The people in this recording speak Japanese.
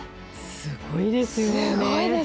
すごいですよね。